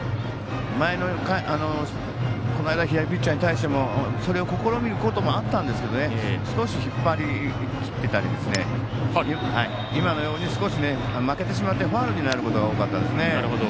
左ピッチャーに対してもそれを試みることもあったんですけど少し引っ張りきってたり今のように少し負けてしまってファウルになることが多かったですね。